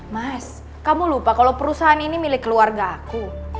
mas kamu lupa kalau perusahaan ini milik keluarga aku